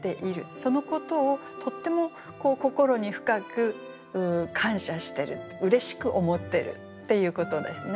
そのことをとても心に深く感謝してるうれしく思ってるっていうことですね。